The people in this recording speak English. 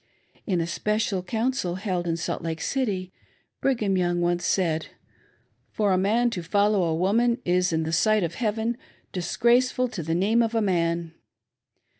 In a special council, held in Salt Lake. City,, Brigham Young once said :" For a man to follow a woman is, in the sight of Heaven, disgraceful to the name of a man."